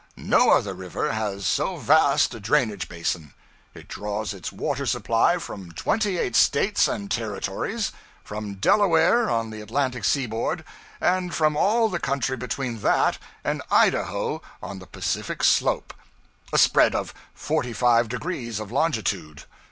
No other river has so vast a drainage basin: it draws its water supply from twenty eight States and Territories; from Delaware, on the Atlantic seaboard, and from all the country between that and Idaho on the Pacific slope a spread of forty five degrees of longitude.